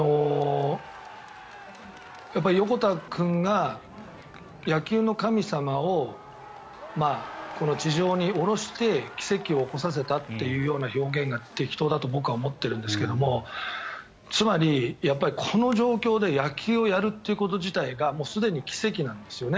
横田君が野球の神様を地上に降ろして奇跡を起こさせたというような表現が適当だと僕は思ってるんですけどもつまり、この状況で野球をやるっていうこと自体がもうすでに奇跡なんですよね。